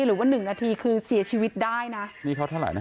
หรือว่าหนึ่งนาทีคือเสียชีวิตได้นะนี่เขาเท่าไหร่นะ